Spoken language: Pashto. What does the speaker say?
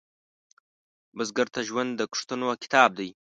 بزګر ته ژوند د کښتونو کتاب دی